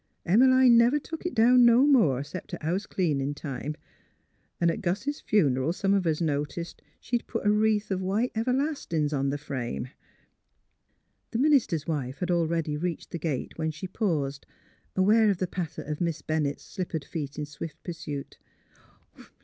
Em 'line never took it down no more, 'xcept at house cleanin' time. 'N' at Gus' funeral some of us noticed she'd put a wreath o' white everlastin's on th' frame." ... The minister's wife had already reached the gate when she paused, aware of the patter of Miss Bennett's slippered feet in swift pursuit.